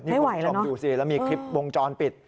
ไม่ไหวแล้วนะนี่ผมชอบอยู่สิแล้วมีคลิปวงจรปิด